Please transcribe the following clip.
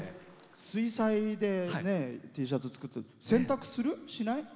水彩で、Ｔシャツ作って洗濯する？